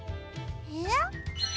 えっ？